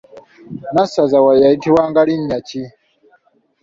Nassaza yayitibwanga linnya ki?